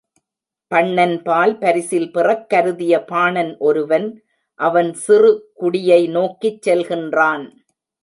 பண்ணன்பால் பரிசில் பெறக் கருதிய பாணன் ஒருவன், அவன் சிறுகுடியை நோக்கிச் செல்கின்றான்.